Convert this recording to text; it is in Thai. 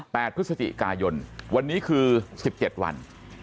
๘พฤศจิกายนวันนี้คือ๑๗วัน